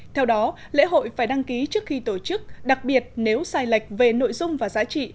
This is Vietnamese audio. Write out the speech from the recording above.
theo đó lễ hội phải đăng ký trước khi tổ chức đặc biệt nếu sai lệch về nội dung và giá trị